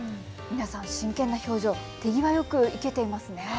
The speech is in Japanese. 皆さん、真剣な表情、手際よく生けていますね。